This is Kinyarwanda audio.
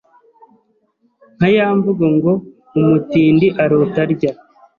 nka ya mvugo ngo Umutindi arota arya